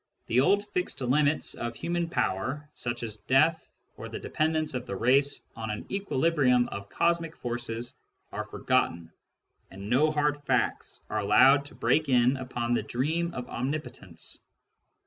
The old fixed limits of human power, such as death, or the de pendence of the race on an equilibrium of cosmic forces, are forgotten, and no hard facts are allowed to break in upon the dream of omnipotence.